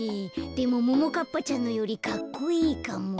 でもももかっぱちゃんのよりかっこいいかも。